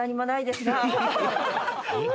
えっ？